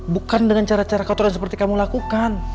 bukan dengan cara cara kantoran seperti yang kamu lakukan